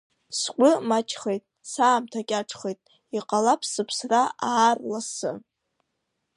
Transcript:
Сгәы маҷхеит, саамҭа кьаҿхеит, иҟалап сыԥсра аар лассы.